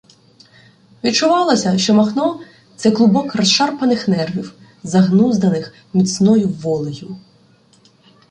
Відчувалося, що Махно — це клубок розшарпаних нервів, загнузданих міцною волею.